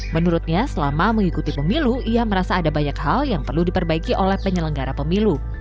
menurutnya selama mengikuti pemilu ia merasa ada banyak hal yang perlu diperbaiki oleh penyelenggara pemilu